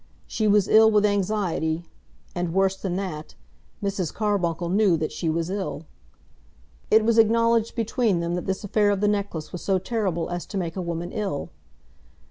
She was ill with anxiety, and, worse than that, Mrs. Carbuncle knew that she was ill. It was acknowledged between them that this affair of the necklace was so terrible as to make a woman ill.